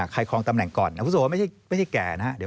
ใครคลองตำแหน่งก่อนอาวุโสไม่ใช่แก่นะ